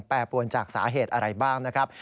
แปรปวนจากสาเหตุอะไรบ้างนะครับ